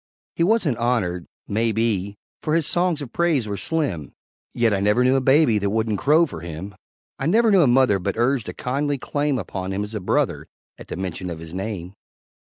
He wasn't honored, may be For his songs of praise were slim, Yet I never knew a baby That wouldn't crow for him; I never knew a mother But urged a kindly claim Upon him as a brother, At the mention of his name.